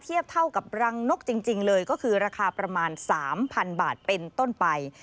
เท่ากับรังนกจริงเลยก็คือราคาประมาณ๓๐๐๐บาทเป็นต้นไป